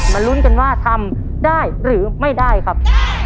ลุ้นกันว่าทำได้หรือไม่ได้ครับ